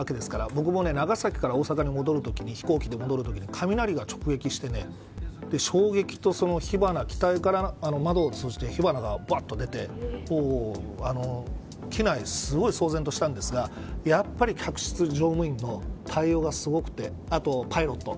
僕も長崎から大阪に戻るときの飛行機で、雷が直撃して衝撃と火花機体から窓を通じて火花が、ばっと出て機内がすごい騒然としたんですがやっぱり客室乗務員の対応がすごくてあと、パイロット。